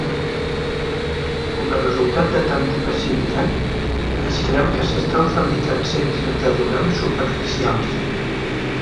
Com a resultat de tanta passivitat, es creu que s'estan fabricant centres de donants superficials.